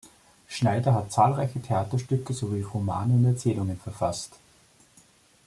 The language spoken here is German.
Schneider hat zahlreiche Theaterstücke sowie Romane und Erzählungen verfasst.